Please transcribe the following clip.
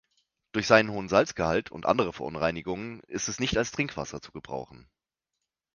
Durch seinen hohen Salzgehalt und andere Verunreinigungen ist es nicht als Trinkwasser zu gebrauchen.